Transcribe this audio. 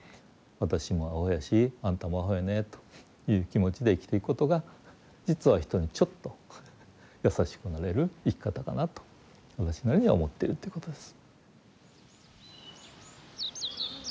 私もアホやしあんたもアホやねという気持ちで生きていくことが実は人にちょっと優しくなれる生き方かなと私なりには思ってるということです。